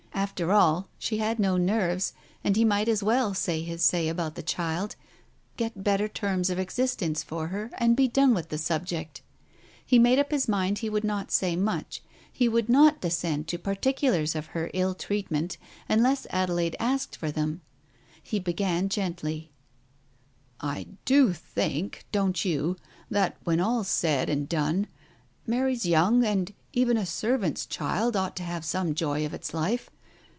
After all, she had no nerves, and he might as well say his say about the child, get better terms of existence for her, and be done with the subject. He made up his mind he would not say much ; he would not descend to particulars of her ill treatment unless Adelaide asked for them. He began gently —" I do think, don't you ? that when all's said and done, Mary's young, and even a servant's child ought to have some joy of its life.